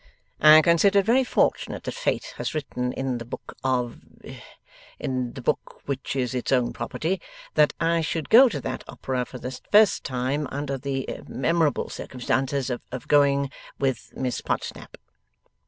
I consider it very fortunate that Fate has written in the book of in the book which is its own property that I should go to that opera for the first time under the memorable circumstances of going with Miss Podsnap.